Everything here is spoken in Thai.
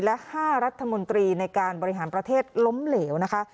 และ๕รัฐมนตรีในการบริหารประเทศล้มเหลวนะคะ